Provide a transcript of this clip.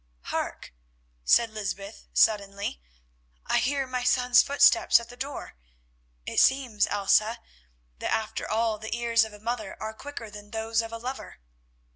"Hark!" said Lysbeth suddenly, "I hear my son's footsteps at the door. It seems, Elsa, that, after all, the ears of a mother are quicker than those of a lover."